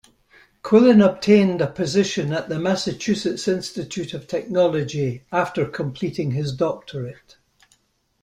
Quillen obtained a position at the Massachusetts Institute of Technology after completing his doctorate.